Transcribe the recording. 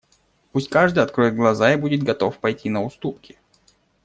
Пусть каждый откроет глаза и будет готов пойти на уступки!